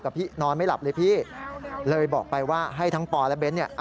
พี่นอนไม่หลับเลยพี่เลยบอกไปว่าให้ทั้งปอและเน้นเนี่ย